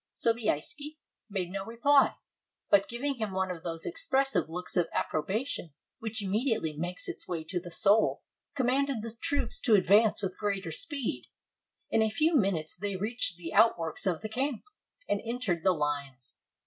Sobieski made no reply, but giving him one of those expressive looks of approbation which immediately makes its way to the soul, commanded the troops to advance with greater speed. In a few minutes they reached the outworks of the camp, and entered the lines.